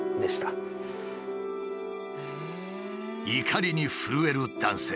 怒りに震える男性。